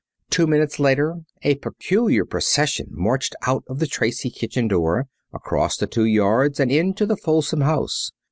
Two minutes later a peculiar procession marched out of the Tracy kitchen door, across the two yards, and into the Falsom house.